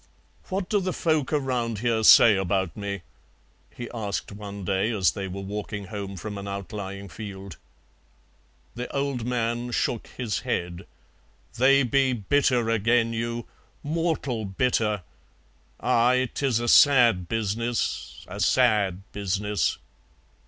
"What do the folk around here say about me?" he asked one day as they were walking home from an outlying field. The old man shook his head. "They be bitter agen you, mortal bitter. Aye, 'tis a sad business, a sad business."